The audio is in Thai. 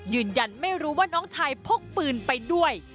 ยืนยันว่าไม่รู้ว่าน้องชายพกปืนไปด้วย